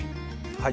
はい。